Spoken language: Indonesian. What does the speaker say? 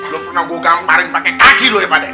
lo pernah gua gamparin pake kaki lo ya paden